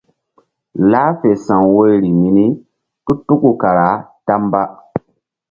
Lah fe sa̧w woyri mini tu tuku kara ta mba.